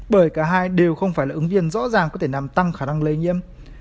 bởi cả hai đều không phải là ứng viên rõ ràng có thể làm tăng khả năng lây nhiễm